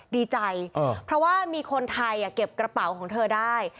ดีใจเพราะว่ามีคนไทยเก็บกระเป๋าของเธอได้